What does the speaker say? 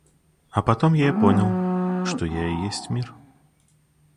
А потом я понял, что я и есть мир.